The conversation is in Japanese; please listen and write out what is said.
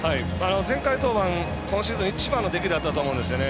前回登板今シーズン一番の出来だと思うんですね。